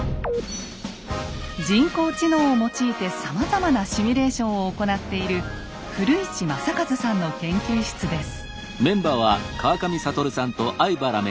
人工知能を用いてさまざまなシミュレーションを行っている古市昌一さんの研究室です。